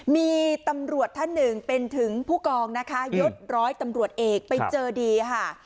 มีตำรวจท่านหนึ่งเป็นถึงผู้กองนะคะยศร้อยตำรวจเอกไปเจอดีค่ะ